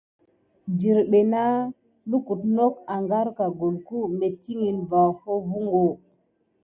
Dirɓe nā lukute not ágarka gulku metikine va hofungo.